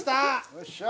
よっしゃ。